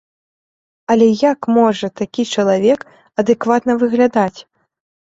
Але як можа такі чалавек адэкватна выглядаць?